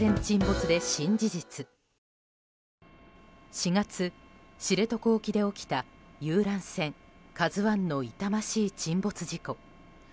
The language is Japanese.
４月、知床沖で起きた遊覧船「ＫＡＺＵ１」の痛ましい沈没事故。